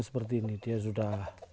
seperti ini dia sudah